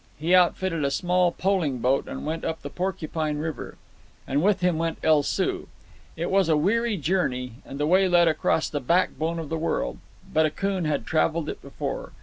He outfitted a small poling boat and went up the Porcupine River. And with him went El Soo. It was a weary journey, and the way led across the backbone of the world; but Akoon had travelled it before.